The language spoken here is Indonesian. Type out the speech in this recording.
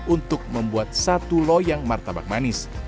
untuk membuat satu loyang martabak manis